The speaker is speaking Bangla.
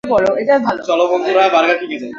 চলো, বন্ধুরা।